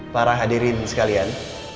para hadirin sekalian